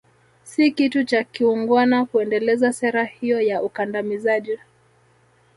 Si kitu cha kiungwana kuendeleza sera hiyo ya ukandamizaji